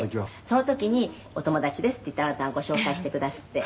「その時に“お友達です”って言ってあなたがご紹介してくだすって」